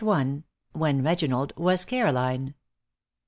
* *When Reginald Was Caroline.